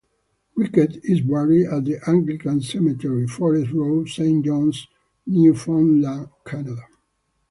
Ricketts is buried at the Anglican Cemetery, Forest Road, Saint John's, Newfoundland, Canada.